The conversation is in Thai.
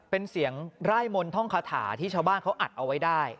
เป็นเสียงไร่มนต์ท่องคาถาที่ชาวบ้านเขาอัดเอาไว้ได้